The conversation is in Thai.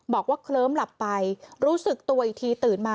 เคลิ้มหลับไปรู้สึกตัวอีกทีตื่นมา